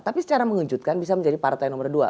tapi secara mengejutkan bisa menjadi partai nomor dua